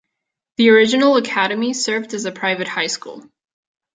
The original academy served as a private high school.